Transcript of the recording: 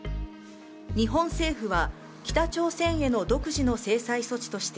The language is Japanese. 日本政府は北朝鮮への独自の制裁措置として